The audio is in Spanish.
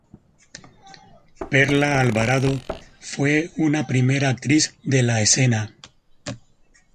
Perla Alvarado fue una primera actriz de la escena.